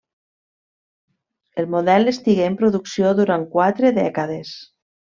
El model estigué en producció durant quatre dècades.